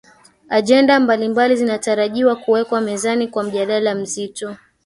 agenda mbalimbali zinatarajiwa kuwekwa mezani kwa mjadala mzito